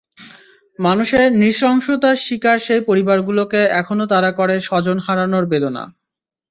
মানুষের নৃশংসতার শিকার সেই পরিবারগুলোকে এখনো তাড়া করে স্বজন হারানোর বেদনা।